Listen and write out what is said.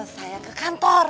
saya ke kantor